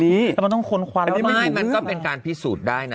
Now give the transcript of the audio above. แต่มันต้องค้นควันไม่มันก็เป็นการพิสูจน์ได้นะ